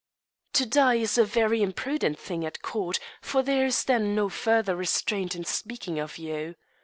To die is a very imprudent thing at court, for there is then no further restraint in speaking of you.